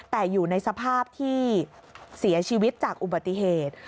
แต่อยู่ในสภาพที่เสียชีวิตจากอุบัติเหตุ